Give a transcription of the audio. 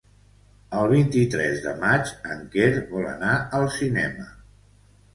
El vint-i-tres de maig en Quer vol anar al cinema.